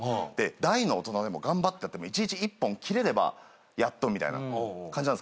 大の大人でも頑張ってやっても１日１本切れればやっとみたいな感じなんですけど